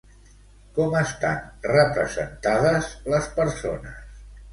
Com estan representades les persones?